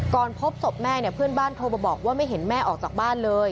พบศพแม่เนี่ยเพื่อนบ้านโทรมาบอกว่าไม่เห็นแม่ออกจากบ้านเลย